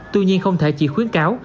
tuy nhiên không thể chỉ khuyến cáo